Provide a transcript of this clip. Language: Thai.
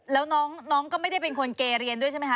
แล้วน้องก็ไม่ได้เป็นคนเกยเรียนด้วยใช่ไหมค